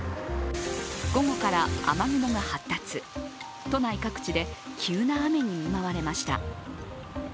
午後から雨雲が発達都内各地で急な雨に見舞われました。